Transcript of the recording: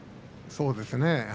そうですね。